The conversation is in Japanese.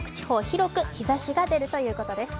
広く日ざしが出るということです。